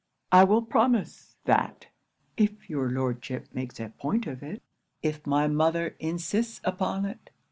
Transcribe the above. '"I will promise that, if your Lordship makes a point of it if my mother insists upon it.